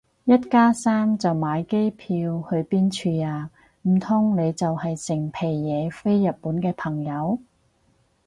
一零加三就買機票去邊處啊？唔通你就係成皮嘢飛日本嘅朋友